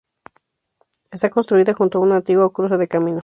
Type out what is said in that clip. Está construida junto a un antiguo cruce de caminos.